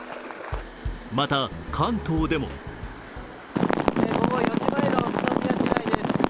また関東でも午後４時前の宇都宮市内です。